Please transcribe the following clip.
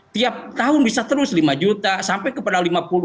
tiap tahun bisa terus lima juta sampai kepada lima puluh